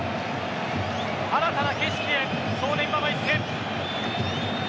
新たな景色へ正念場の一戦。